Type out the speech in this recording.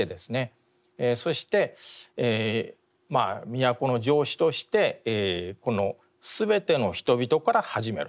そして都城市としてこの「すべての人々」から始める。